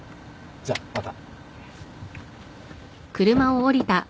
じゃまた。